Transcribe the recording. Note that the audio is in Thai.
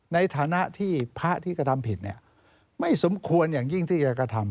ในฐานะที่พระที่กระทำผิดไม่สมควรอย่างยิ่งที่จะกระทำ